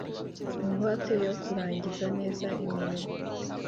ingwate yo kurangiza neza imirimo